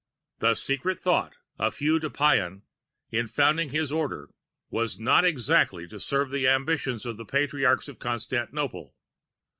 "The secret thought of Hugues de Payens, in founding his Order, was not exactly to serve the ambition of the Patriarchs of Constantinople.